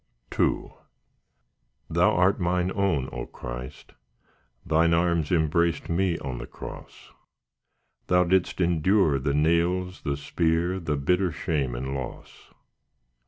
II Thou art mine own, O Christ; Thine arms Embraced me on the Cross; Thou didst endure the nails, the spear, The bitter shame and loss.